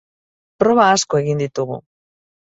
Proba asko egin ditugu.